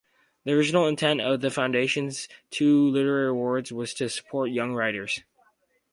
The original intent of the foundation's two literary awards was to support young writers.